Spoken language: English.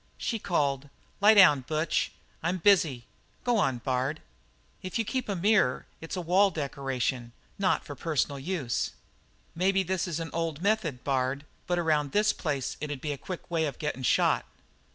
She called: "Lie down, Butch; I'm busy. Go on, Bard." "If you keep a mirror it's a wall decoration not for personal use." "Maybe this is an old method, Bard; but around this place it'd be a quick way of gettin' shot."